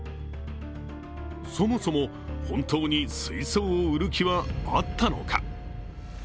そもそも本当に水槽を売る気はあったのか。